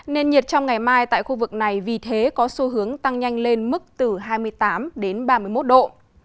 nền nhiệt trong ngày mai tại khu vực này vì thế có xu hướng tăng nhanh lên mức từ hai mươi tám đến ba mươi một độ